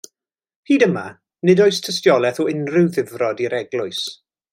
Hyd yma, nid oes tystiolaeth o unrhyw ddifrod i'r eglwys.